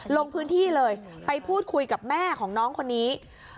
ลงพื้นที่เลยไปพูดคุยกับแม่ของน้องคนนี้